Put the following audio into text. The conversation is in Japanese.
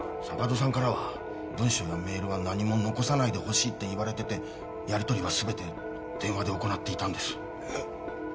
坂戸さんからは文書やメールは何も残さないでほしいって言われててやり取りは全て電話で行っていたんですえっ